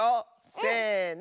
せの！